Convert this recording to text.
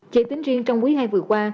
chỉ tính riêng trong quý ii vừa qua